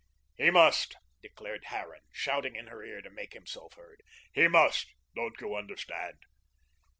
"He must," declared Harran, shouting in her ear to make himself heard, "he must. Don't you understand?"